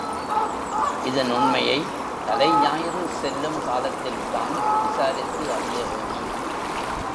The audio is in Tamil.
இதன் உண்மையைத் தலைஞாயிறு செல்லும் காலத்தில் தான் விசாரித்து அறிய வேணும்.